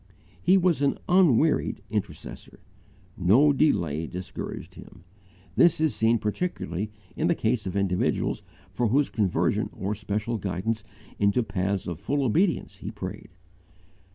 He was an unwearied intercessor. No delay discouraged him. This is seen particularly in the case of individuals for whose conversion or special guidance into the paths of full obedience he prayed.